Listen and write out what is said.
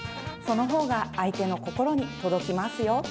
そのほうが相手の心に届きますよ。